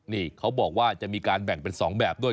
นี่เขาบอกว่าจะมีการแบ่งเป็น๒แบบด้วย